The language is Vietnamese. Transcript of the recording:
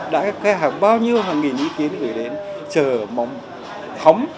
đã có bao nhiêu hàng nghìn ý kiến gửi đến chờ mong hóng